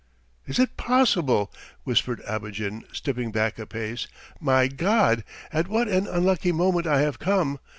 "Is it possible!" whispered Abogin, stepping back a pace. "My God, at what an unlucky moment I have come!